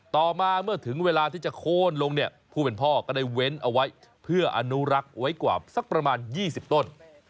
ต่อมาเมื่อถึงเวลาที่จะโค้นลงเนี่ยผู้เป็นพ่อก็ได้เว้นเอาไว้เพื่ออนุรักษ์ไว้กว่าสักประมาณ๒๐ต้น